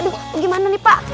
aduh gimana nih pak